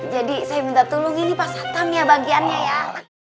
jadi saya minta tolong ini pas hatam ya bagiannya ya